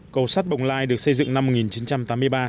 cầu sắt bồng lai được xây dựng năm một nghìn chín trăm tám mươi ba